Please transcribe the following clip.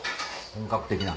本格的な。